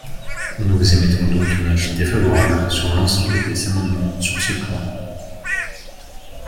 Nous émettons donc un avis défavorable sur l’ensemble des amendements sur ce point.